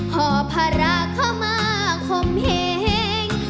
ห่อพระเข้ามาข่มแห่ง